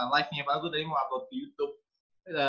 live nya pak agus tadi mau upload di youtube